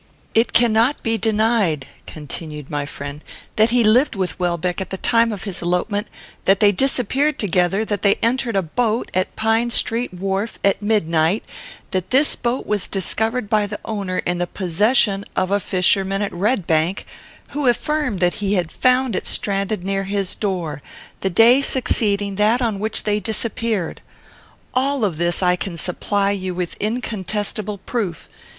"It cannot be denied," continued my friend, "that he lived with Welbeck at the time of his elopement; that they disappeared together; that they entered a boat, at Pine Street wharf, at midnight; that this boat was discovered by the owner in the possession of a fisherman at Redbank, who affirmed that he had found it stranded near his door, the day succeeding that on which they disappeared. Of all this I can supply you with incontestable proof.